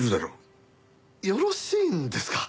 よろしいんですか？